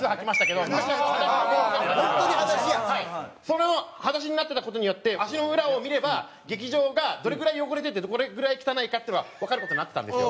それの裸足になってた事によって足の裏を見れば劇場がどれぐらい汚れててどれぐらい汚いかっていうのはわかる事になってたんですよ。